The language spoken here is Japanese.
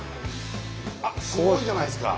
あっすごいじゃないですか。